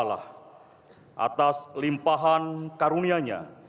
atas limpahan karunianya